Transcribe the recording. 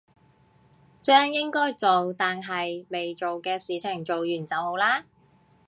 將應該做但係未做嘅事情做完就好啦